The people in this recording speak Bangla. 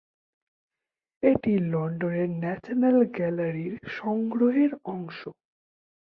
এটি লন্ডনের ন্যাশনাল গ্যালারির সংগ্রহের অংশ।